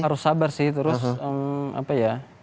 harus sabar sih terus apa ya